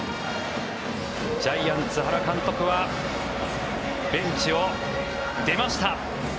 ジャイアンツ、原監督はベンチを出ました。